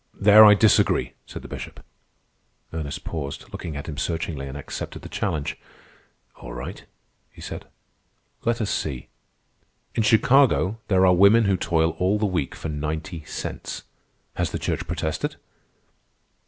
"There I disagree," said the Bishop. Ernest paused, looked at him searchingly, and accepted the challenge. "All right," he said. "Let us see. In Chicago there are women who toil all the week for ninety cents. Has the Church protested?"